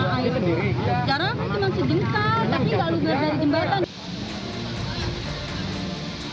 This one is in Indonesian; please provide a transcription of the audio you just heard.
caranya mungkin masih jengkar tapi gak lumer dari jembatan